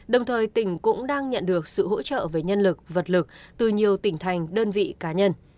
đồng thời tỉnh cũng đang nhận được sự hỗ trợ về nhân lực vật lực từ nhiều tỉnh thành đơn vị cá nhân